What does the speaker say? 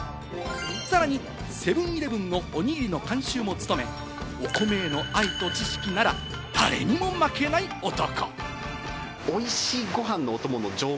さらにセブン−イレブンのおにぎりの監修も務め、お米への愛と知識なら誰にも負けない男。